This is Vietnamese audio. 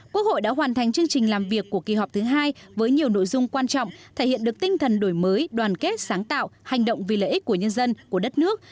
quốc hội đã hoàn thành chương trình làm việc của kỳ họp thứ hai với nhiều nội dung quan trọng thể hiện được tinh thần đổi mới đoàn kết sáng tạo hành động vì lợi ích của nhân dân của đất nước